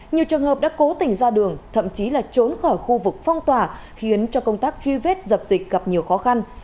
nhiều trường hợp đã cố tình ra đường thậm chí là trốn khỏi khu vực phong tỏa khiến cho công tác truy vết dập dịch gặp nhiều khó khăn